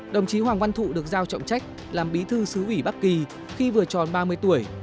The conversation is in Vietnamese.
đồng chí hoàng văn thụ được giao trọng trách làm bí thư xứ ủy bắc kỳ khi vừa tròn ba mươi tuổi